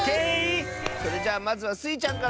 それじゃあまずはスイちゃんから！